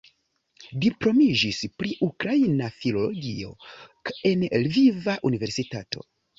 Diplomiĝis pri ukraina filologio en Lviva Universitato.